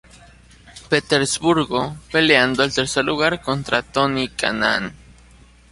Petersburgo, peleando el tercer lugar contra Tony Kanaan.